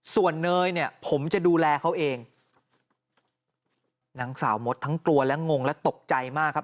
ส่วนเนยเนี่ยผมจะดูแลเขาเองนางสาวมดทั้งกลัวและงงและตกใจมากครับ